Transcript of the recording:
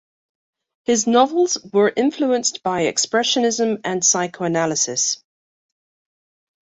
His novels were influenced by expressionism and psychoanalysis.